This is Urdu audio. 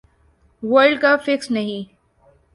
ورلڈ کپ فکسڈ نہی